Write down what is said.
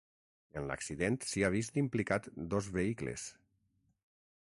En l'accident s'hi ha vist implicat dos vehicles.